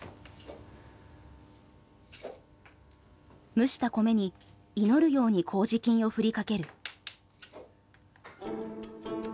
蒸した米に祈るように麹菌を振りかける。